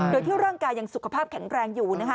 โดยที่ร่างกายยังสุขภาพแข็งแรงอยู่นะคะ